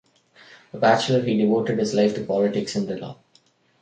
A bachelor, he devoted his life to politics and the law.